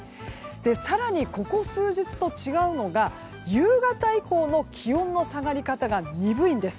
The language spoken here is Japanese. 更に、ここ数日と違うのが夕方以降も気温の下がり方が鈍いんです。